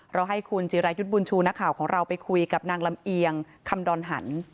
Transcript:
ให้คุณจิรายุทธ์บุญชูนักข่าวของเราไปคุยกับนางลำเอียงคำดอนหัน